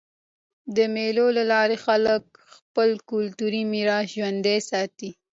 د مېلو له لاري خلک خپل کلتوري میراث ژوندى ساتي.